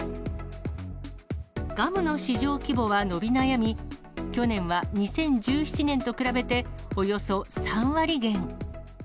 ガムの市場規模は伸び悩み、去年は、２０１７年と比べて、およそ３割減。